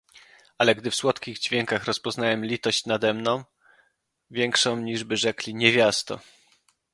"Ale gdy w słodkich dźwiękach rozpoznałem Litość nade mną, większą niżby rzekli: Niewiasto!"